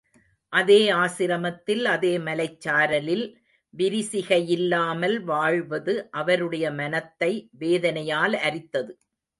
அதே ஆசிரமத்தில் அதே மலைச்சாரலில் விரிசிகை யில்லாமல் வாழ்வது அவருடைய மனத்தை வேதனையால் அரித்தது.